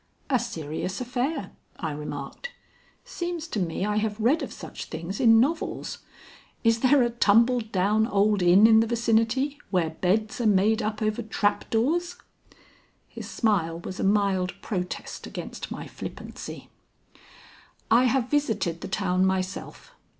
"A serious affair," I remarked. "Seems to me I have read of such things in novels. Is there a tumbled down old inn in the vicinity where beds are made up over trap doors?" His smile was a mild protest against my flippancy. "I have visited the town myself.